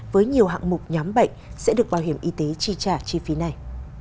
với nhiều hạng mục nhóm bệnh sẽ được bảo hiểm y tế chi trả chi phí này